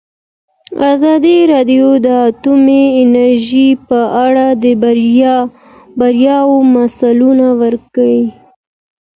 ازادي راډیو د اټومي انرژي په اړه د بریاوو مثالونه ورکړي.